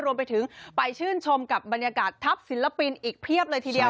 รวมไปถึงไปชื่นชมกับบรรยากาศทัพศิลปินอีกเพียบเลยทีเดียว